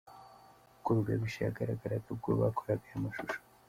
Uko Rugabisha yagaragaraga ubwo bakoraga aya mashusho.